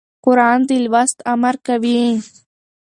قرآن د لوست امر کوي.